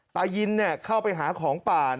ตายยินเนี่ยเข้าไปหาของป่า